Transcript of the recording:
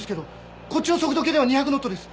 こっちの速度計では２００ノットです。